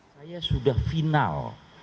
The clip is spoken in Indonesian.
saya sudah final